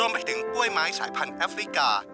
ไปถึงกล้วยไม้สายพันธุ์แอฟริกา